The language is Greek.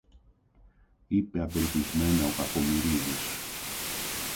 είπε απελπισμένα ο Κακομοιρίδης.